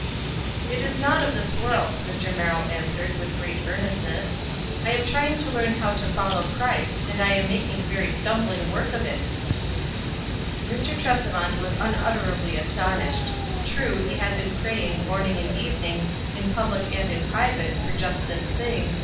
"It is not of this world," Mr. Merrill an swered, with great earnestness. "I am trying to learn how to follow Christ, and I am making very stumbling work of it." Mr. Tresevant was unutterably astonished. True, he had been praying morning and even ing, in public and in private, for just this thing, WISE AND OTHEKWISE.